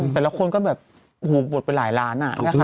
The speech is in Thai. แต่ละคนก็แบบโอ้โหหมดไปหลายล้าน